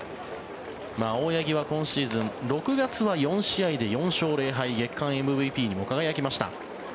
青柳は今シーズン６月は４試合で４勝０敗月間ＭＶＰにも輝きました。